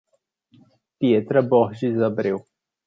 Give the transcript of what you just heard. Pietra Borges Abreu